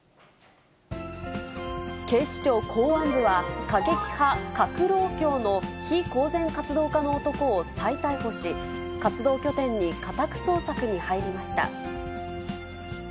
警視庁公安部は、過激派革労協の非公然活動家の男を再逮捕し、活動拠点に家宅捜索に入りました。